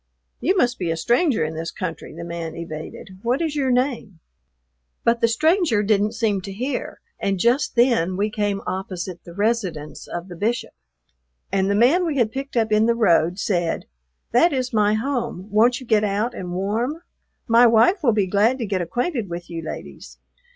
"You must be a stranger in this country," the man evaded. "What is your name?" But the stranger didn't seem to hear, and just then we came opposite the residence of the Bishop, and the man we had picked up in the road said, "That is my home, won't you get out and warm? My wife will be glad to get acquainted with you ladies."